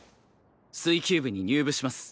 水球部に入部します。